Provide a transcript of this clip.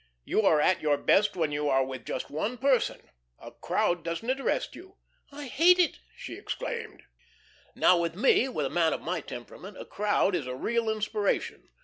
You are at your best when you are with just one person. A crowd doesn't interest you." "I hate it," she exclaimed. "Now with me, with a man of my temperament, a crowd is a real inspiration.